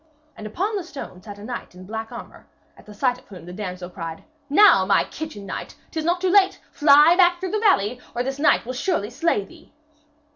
And upon the stone sat a knight in black armour, at sight of whom the damsel cried: 'Now, my kitchen knight, 'tis not too late. Fly back through the valley, or this knight will surely slay thee.'